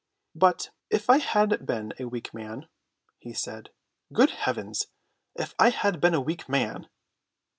"But if I had been a weak man," he said. "Good heavens, if I had been a weak man!"